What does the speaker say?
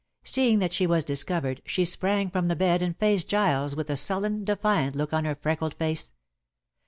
Seeing that she was discovered, she sprang from the bed and faced Giles with a sullen, defiant look on her freckled face.